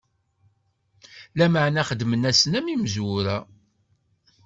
Lameɛna xedmen-asen am imezwura.